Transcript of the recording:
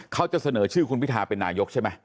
เขาจะเสนอชื่อคุณพิทาเป็นนายกใช่ไหม